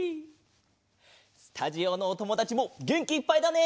スタジオのおともだちもげんきいっぱいだね！